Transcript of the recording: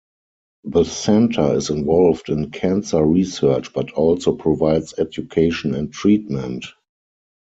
The centre is involved in cancer research but also provides education and treatment.